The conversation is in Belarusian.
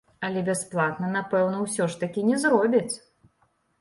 Але бясплатна, напэўна, ўсё ж такі не зробяць?